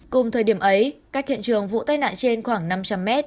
cùng thời điểm ấy cách hiện trường vụ tai nạn trên khoảng năm trăm linh m